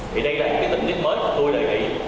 thì đây là những cái tình tiết mới mà tôi đề nghị